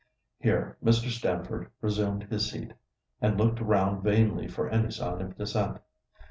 Here Mr. Stamford resumed his seat, and looked round vainly for any sign of dissent.